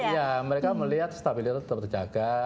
iya mereka melihat stabilitas tetap terjaga